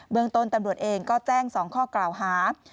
เมืองต้นตำรวจเองก็แจ้ง๒ข้อกล่าวหา